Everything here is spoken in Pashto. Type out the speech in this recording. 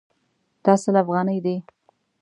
دا سل افغانۍ دي